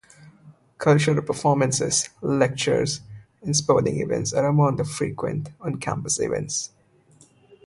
Cultural performances, lectures and sporting events are among the frequent on campus events.